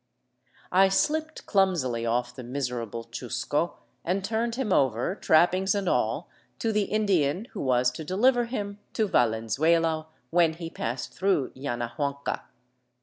I slipped clumsily off the miserable chusco and turned him over, trappings and all, to the Indian who was to deliver him to Valen zuela when he passed through Yanahuanca.